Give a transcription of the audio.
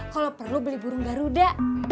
kalau perlu beli burung garuda